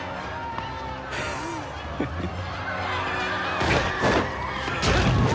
フフフッ。